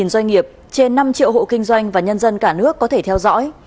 tám trăm linh doanh nghiệp trên năm triệu hộ kinh doanh và nhân dân cả nước có thể theo dõi